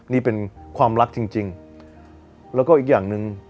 นี่เป็นความรักจริงแล้วก็อีกอย่างหนึ่ง